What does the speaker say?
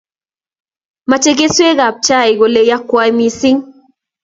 Mache keswek ab chaik ole yakwai mising'